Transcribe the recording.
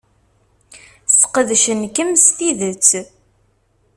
Sqedcen-kem s tidet.